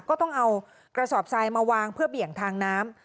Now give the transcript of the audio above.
ก็ต้องเอากระสอบทรายมาวางเพื่อเบี่ยงทางน้ำ